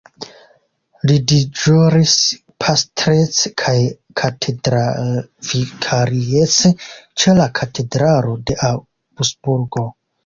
Li deĵoris pastrece kaj katedralvikariece ĉe la Katedralo de Aŭgsburgo.